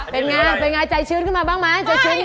เป็นไงใจชื้นขึ้นมาบ้างมั้ย